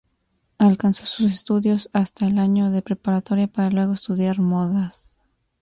Alcanzó sus estudios hasta el año de preparatoria para luego estudiar modas.